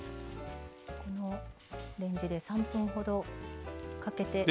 レンジで３分ほどかけて。